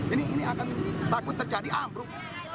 ini akan takut terjadi ambruk